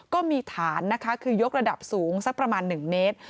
ก็มีฐานนะคะคือยกระดับสูงสักประมาณ๑เมตร